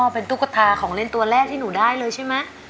เป็นตุ๊กตาของเล่นตัวแรกที่หนูได้เลยใช่ไหม